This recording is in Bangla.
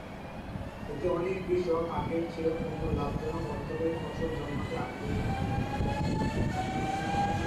এতে অনেক কৃষক আখের চেয়ে অন্য লাভজনক অর্থকরী ফসল জন্মাতে আগ্রহী হয়ে ওঠে।